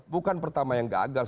bukan pertama yang gagal